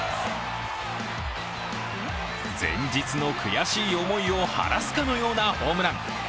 前日の悔しい思いを晴らすかのようなホームラン。